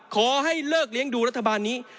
ขอให้เลิกเลี้ยงดูรัฐบาลนี้